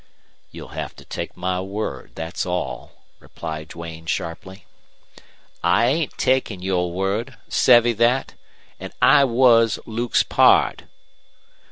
"You'll have to take my word, that's all," replied Duane, sharply. "I ain't takin' your word! Savvy thet? An' I was Luke's pard!"